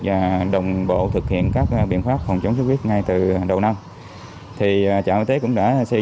và đồng bộ thực hiện các biện pháp phòng chống xuất huyết ngay từ đầu năm thì trạm y tế cũng đã xây